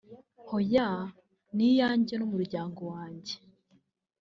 hoya… ni iyanjye n’umuryango wanjye